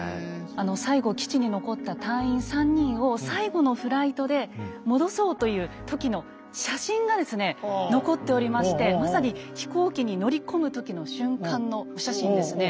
最後基地に残った隊員３人を最後のフライトで戻そうという時の写真がですね残っておりましてまさに飛行機に乗り込む時の瞬間のお写真ですね。